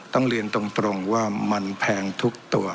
ต้องเรียนตรงว่ามันแพงทุกตัว